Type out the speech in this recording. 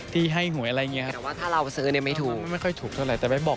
แต่ไม่เป็นไรเนอะ